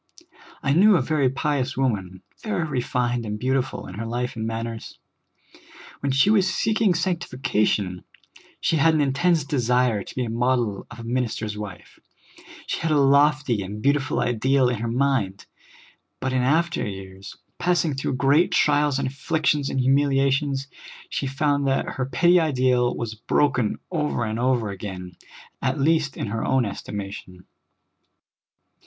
I knew a very pious woman, very refined and beautiful in her life and manners. When she was seeking sanc tification, she had an intense desire to be a model of a minister's wife ; she had a lofty and beautiful ideal in her mind. But in after years, passing through great trials and afflictions and humiliations, she found that her petty ideal was broken over and over again, at least in her own estimation.